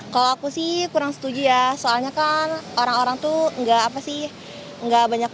kalau aku sih kurang setuju ya soalnya kan orang orang tuh nggak apa sih